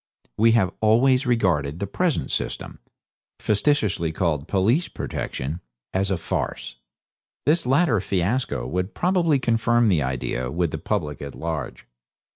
We have always regarded the present system facetiously called police protection as a farce. This latter fiasco will probably confirm the idea with the public at large.